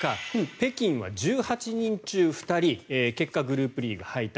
北京は１８人中２人結果、グループリーグ敗退。